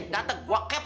dateng gue capek